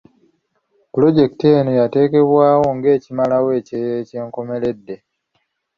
Pulojekiti eno yateekebwawo ng'ekimalawo ekyeya eky'enkomeredde.